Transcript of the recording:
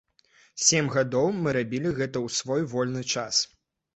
Сем гадоў мы рабілі гэта ў свой вольны час.